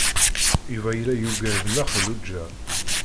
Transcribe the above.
Yuba yella yugad Nna Xelluǧa.